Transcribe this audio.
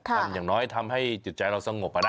ทำอย่างน้อยทำให้จิตใจเราสงบกว่านะ